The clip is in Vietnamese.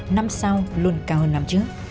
năm sau luôn cao hơn năm trước